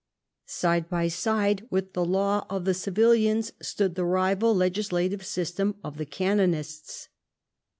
Side by side with the law of the civilians stood the rival legislative system of the canonists.